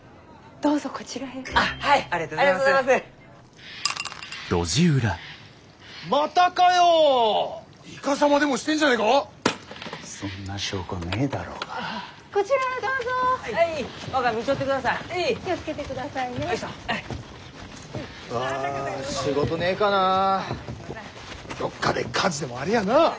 どっかで火事でもありゃあな！